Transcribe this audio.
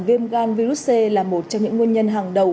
viêm gan virus c là một trong những nguyên nhân hàng đầu